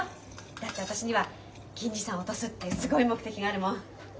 だって私には銀次さんを落とすっていうすごい目的があるもん。